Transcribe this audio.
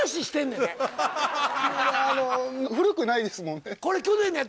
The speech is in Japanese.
あの古くないですもんね？